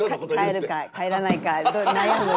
帰るか帰らないか悩む。